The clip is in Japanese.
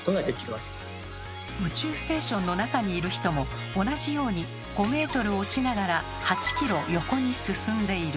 宇宙ステーションの中にいる人も同じように５ｍ落ちながら８ｋｍ横に進んでいる。